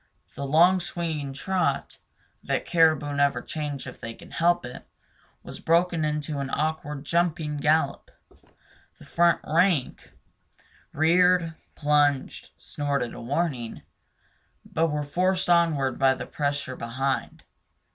The long swinging trot, that caribou never change if they can help it, was broken into an awkward jumping gallop. The front rank reared, plunged, snorted a warning, but were forced onward by the pressure behind.